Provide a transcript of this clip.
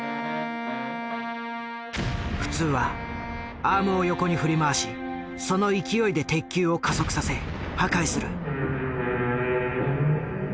普通はアームを横に振り回しその勢いで鉄球を加速させ破壊する。